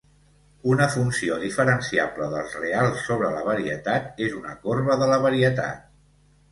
Una funció diferenciable dels reals sobre la varietat és una corba de la varietat.